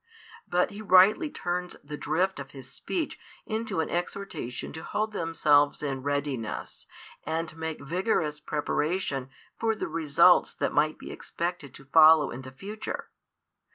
But He rightly turns the drift of His speech into an exhortation to hold themselves in readiness and make vigorous preparation for the results that might be expected to follow in the future.